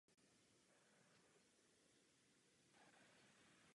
Sofie přijala pravoslaví a s novou vírou i nové jméno "Marie Fjodorovna".